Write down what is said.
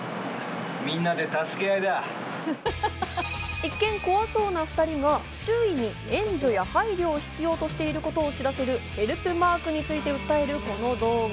一見怖そうな２人が周囲に援助や配慮を必要としてることを知らせるヘルプマークについて訴えるこの動画。